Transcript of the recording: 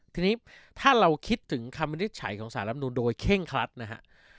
ทีนี้ถ้าเราคิดถึงคำวินิจฉัยของสารรับนูนโดยเคร่งครัดนะฮะ